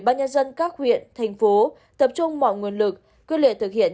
bác nhân dân các huyện thành phố tập trung mọi nguồn lực quyết liện thực hiện